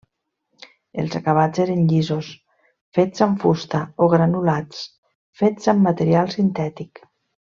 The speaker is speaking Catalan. Els acabats eren llisos, fets amb fusta, o granulats, fets amb material sintètic.